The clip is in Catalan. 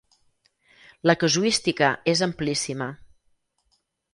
La casuística és amplíssima.